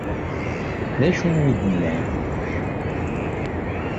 D acu ay d-tennam?